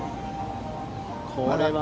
これは。